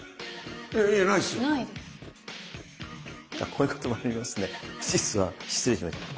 こういうこともありますね。